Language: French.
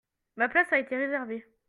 Ma place a été réservée.